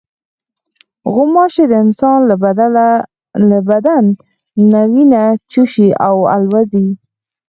غوماشې د انسان له بدن نه وینه چوشي او الوزي.